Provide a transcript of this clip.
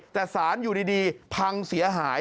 แต่สารอยู่ดีพังเสียหาย